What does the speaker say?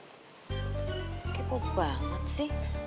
gitu banget sih